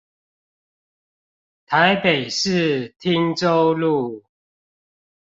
台北市汀州路